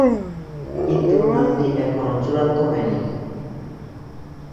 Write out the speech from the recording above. কিন্তু নামটি কখনো চূড়ান্ত হয়নি।